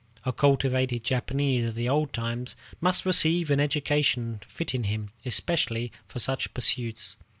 A cultivated Japanese of the old times must receive an education fitting him especially for such pursuits.